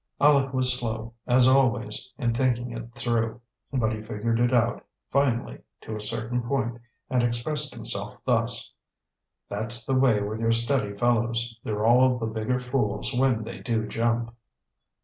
Aleck was slow, as always, in thinking it through, but he figured it out, finally, to a certain point, and expressed himself thus: "That's the way with your steady fellows; they're all the bigger fools when they do jump."